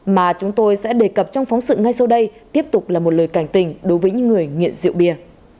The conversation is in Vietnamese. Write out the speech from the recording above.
mà chúng tôi sẽ đề cập trong phóng sự ngay sau đây tiếp tục là một lời cảnh tình đối với những người nghiện rượu bia